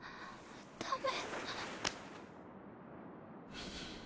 ダメ。